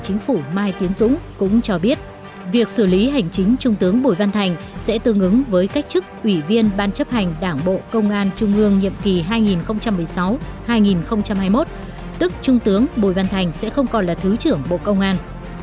chính phủ mai tiến dũng cũng cho biết việc xử lý hành chính trung tướng bùi văn thành sẽ tương ứng với cách chức ủy viên ban chấp hành đảng bộ công an trung ương nhiệm kỳ hai nghìn một mươi sáu hai nghìn hai mươi một tức trung tướng bùi văn thành sẽ không còn là thứ trưởng bộ công an